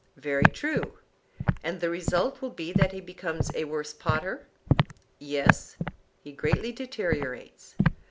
Very true. And the result will be that he becomes a worse potter? Yes; he greatly deteriorates.